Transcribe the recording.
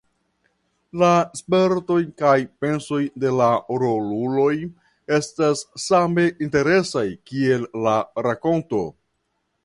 La spertoj kaj pensoj de la roluloj estas same interesaj kiel la rakonto.